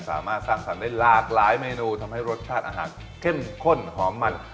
สามารถสร้างสรรค์ได้หลากหลายเมนูทำให้รสชาติอาหารเข้มข้นหอมมัน